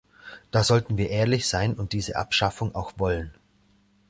Da sollten wir ehrlich sein und diese Abschaffung auch wollen.